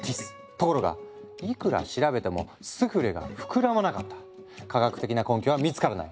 ところがいくら調べてもスフレが膨らまなかった科学的な根拠は見つからない。